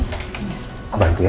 aku bantu ya